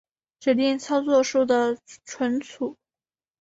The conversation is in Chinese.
指令操作数的存储